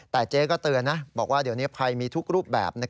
แต่เจ๊ก็เตือนนะบอกว่าเดี๋ยวนี้ภัยมีทุกรูปแบบ